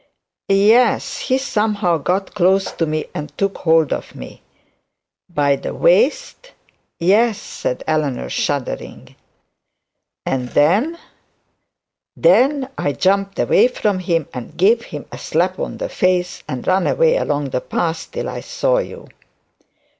'Yes he somehow got close to me, and took hold of me ' 'By the waist?' 'Yes,' said Eleanor shuddering. 'And then ' 'Then I jumped away from him, and gave him a slap on the face; and ran away along the path, till I saw you.'